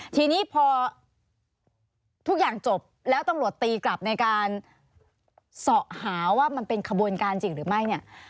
ทีนี้พอทุกอย่างจบแล้วตำรวจตีกลับในการเสาะหาว่ามันเป็นขบวนการจริงหรือไม่เนี่ย